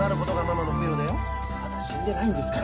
まだ死んでないんですから。